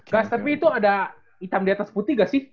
gas tapi itu ada hitam di atas putih gak sih